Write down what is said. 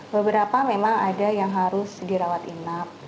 beberapa memang ada yang harus dirawat inap